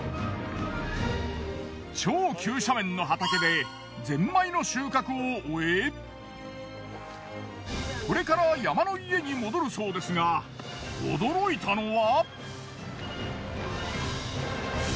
超急斜面の畑でゼンマイの収穫を終えこれから山の家に戻るそうですが驚いたのは。